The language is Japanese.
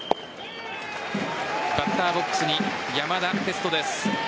バッターボックスに山田哲人です。